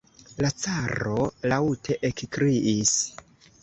La caro laŭte ekkriis.